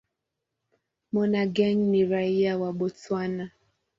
Monageng ni raia wa Botswana.